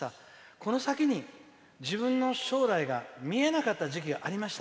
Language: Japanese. この先に自分の将来が見えなかった時期がありました。